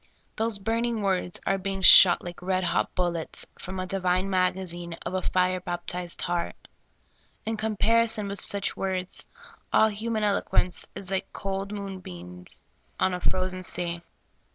Those burning words are being shot like red hot bullets from a divine magazine of a flre baptized heart. In comparison with such words, all human eloquence is like cold moonbeams on a frozen sea.